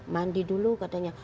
mandi dulu katanya